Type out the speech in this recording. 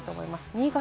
新潟